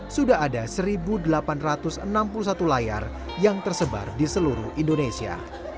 sudah ada satu delapan ratus enam puluh satu layar yang tersebar di seluruh indonesia